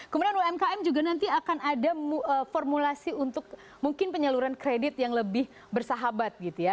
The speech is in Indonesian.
kemudian umkm juga nanti akan ada formulasi untuk mungkin penyaluran kredit yang lebih bersahabat gitu ya